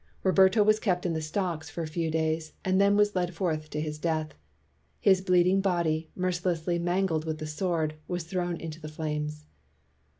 Roberto was kept in the stocks for a few days, and then was led forth to his death. His bleeding body, mercilessly mangled with the sword, was thrown into the flames.